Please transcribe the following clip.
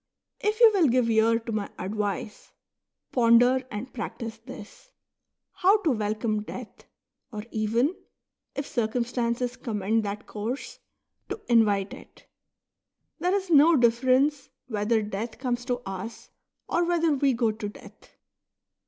If you will give ear to my advice, ponder and practise this, — how to welcome death, or even, if circum stances commend that course, to invite it. There is no difference whether death comes to us, or whether we go to death.